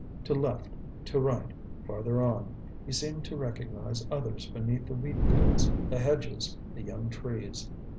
To left, to right, farther on, he seemed to recognize others beneath the wheatfields, the hedges, the young trees.